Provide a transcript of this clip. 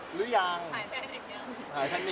หรือยัง